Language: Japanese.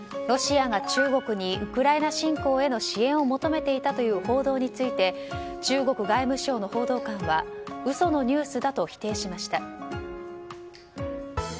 ロシアが中国にウクライナ侵攻への支援を求めていたという報道について中国外務省の報道官は嘘のニュースだと否定しました。